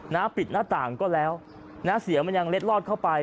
ปิดหน้าต่างก็แล้วนะเสียงมันยังเล็ดลอดเข้าไป